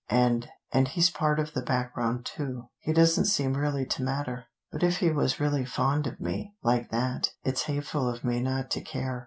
And and he's part of the background, too. He doesn't seem really to matter. But if he was really fond of me, like that, it's hateful of me not to care.